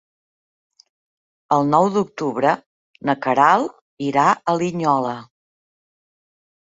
El nou d'octubre na Queralt irà a Linyola.